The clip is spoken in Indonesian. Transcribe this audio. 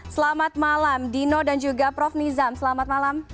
selamat malam dino dan juga prof nizam selamat malam